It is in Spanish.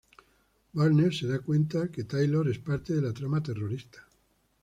Barnes se da cuenta que Taylor es parte de la trama terrorista.